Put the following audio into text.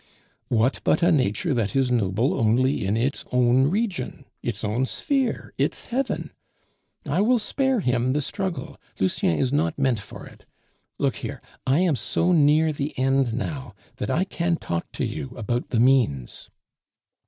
"What but a nature that is noble only in its own region, its own sphere, its heaven? I will spare him the struggle; Lucien is not meant for it. Look here! I am so near the end now that I can talk to you about the means."